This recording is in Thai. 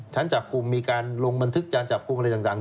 จับกลุ่มมีการลงบันทึกการจับกลุ่มอะไรต่าง